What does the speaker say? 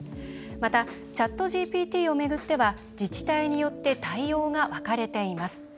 また、ＣｈａｔＧＰＴを巡っては自治体によって対応が分かれています。